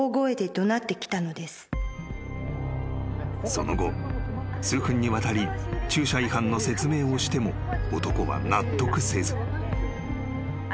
［その後数分にわたり駐車違反の説明をしても男は納得せず］はあ？